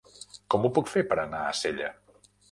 Com ho puc fer per anar a Sella?